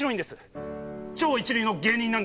超一流の芸人なんです。